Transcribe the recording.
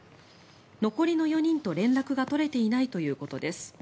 残りの４人と連絡が取れていないということです。